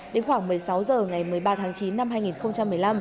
đến khoảng một mươi sáu h ngày một mươi ba tháng chín năm hai nghìn một mươi năm